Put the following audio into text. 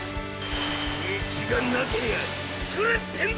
道がなけりゃ作れってんだ！